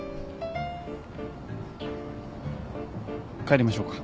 帰りましょうか。